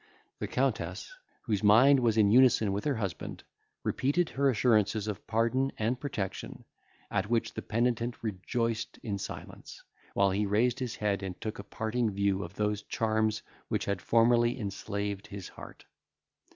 The Countess, whose mind was in unison with her husband, repeated her assurances of pardon and protection; at which the penitent rejoiced in silence, while he raised his head and took a parting view of those charms which had formerly enslaved his heart.